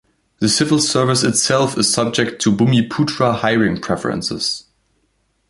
The civil service itself is subject to Bumiputra hiring preferences.